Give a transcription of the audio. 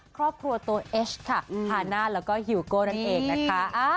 ครอบครัวตัวเอชค่ะฮาน่าแล้วก็ฮิวโก้นั่นเองนะคะ